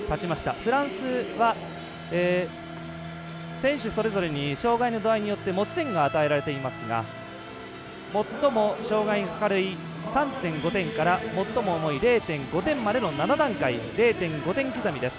フランスは、選手それぞれに障がいの度合いによって持ち点が与えられていますが最も障がいが軽い３．５点から最も重い０．５点までの７段階、０．５点刻みです。